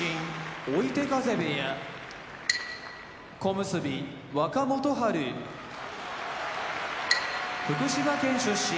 追手風部屋小結・若元春福島県出身